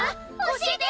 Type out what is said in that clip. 教えて！